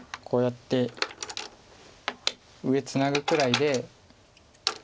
こうやって上ツナぐくらいで。